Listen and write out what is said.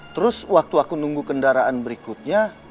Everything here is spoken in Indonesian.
terus waktu aku nunggu kendaraan berikutnya